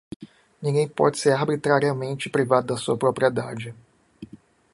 Ninguém pode ser arbitrariamente privado da sua propriedade.